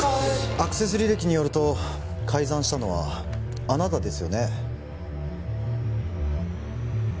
アクセス履歴によると改ざんしたのはあなたですよね